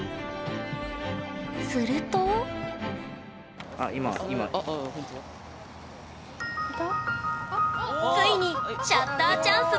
するとついにシャッターチャンス到来！